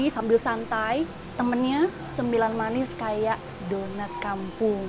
sambil santai temennya cembilan manis kayak donat kampung